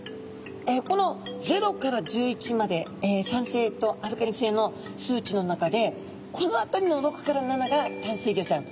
この０から１１まで酸性とアルカリ性の数値の中でこの辺りの６から７が淡水魚ちゃん。